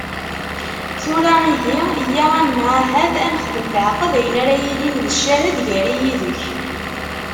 Tura ihi, yya ad nemɛahad, ad nexdem leɛqed ayen ara yilin d ccahed gar-i yid-k.